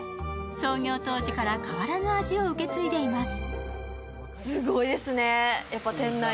創業当時から変わらぬ味を受け継いでいます。